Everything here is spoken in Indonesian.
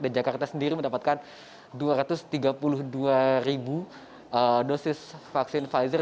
dan jakarta sendiri mendapatkan dua ratus tiga puluh dua ribu dosis vaksin pfizer